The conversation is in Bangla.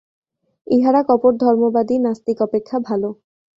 ইহারা কপট ধর্মবাদী নাস্তিক অপেক্ষা ভাল।